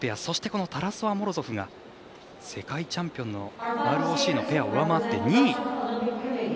そして、タラソワ、モロゾフが世界チャンピオンのＲＯＣのペアを上回って２位。